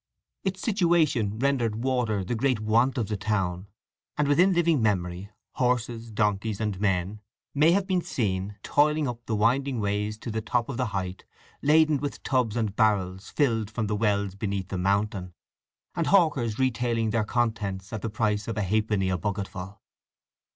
Its situation rendered water the great want of the town; and within living memory, horses, donkeys and men may have been seen toiling up the winding ways to the top of the height, laden with tubs and barrels filled from the wells beneath the mountain, and hawkers retailing their contents at the price of a halfpenny a bucketful.